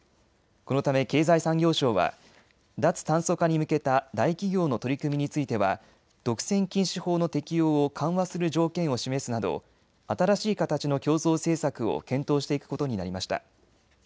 このため経済産業省は脱炭素化に向けた大企業の取り組みについては独占禁止法の適用を緩和する条件を示すなど新しい形の競争政策を検討していくことになりました。